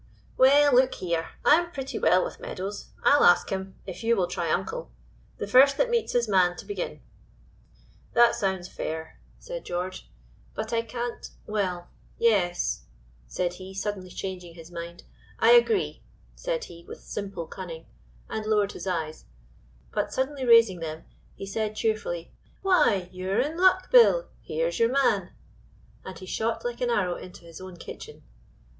"Well, look here, I'm pretty well with Meadows. I'll ask him if you will try uncle; the first that meets his man to begin." "That sounds fair," said George, "but I can't well yes," said he, suddenly changing his mind. "I agree," said he, with simple cunning, and lowered his eyes; but suddenly raising them, he said cheerfully, "Why, you're in luck, Bill; here's your man," and he shot like an arrow into his own kitchen.